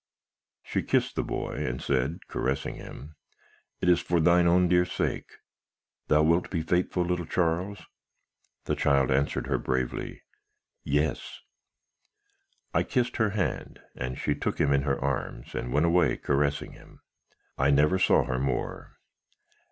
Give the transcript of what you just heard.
She kissed the boy, and said, caressing him, 'It is for thine own dear sake. Thou wilt be faithful, little Charles?' The child answered her bravely, 'Yes!' I kissed her hand, and she took him in her arms, and went away caressing him. I never saw her more.